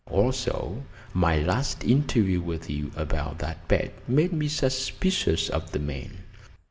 Also, my last interview with you about that bet made me suspicious of the man.